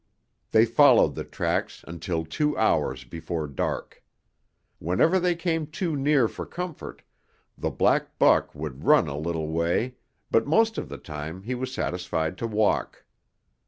They followed the tracks until two hours before dark. Whenever they came too near for comfort, the black buck would run a little way, but most of the time he was satisfied to walk.